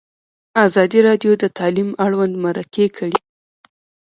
ازادي راډیو د تعلیم اړوند مرکې کړي.